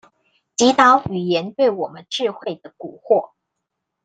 擊倒語言對我們智慧的蠱惑